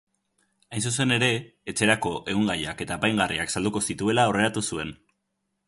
Hain zuzen ere, etxerako ehun-gaiak eta apaingarriak salduko zituela aurreratu zuen.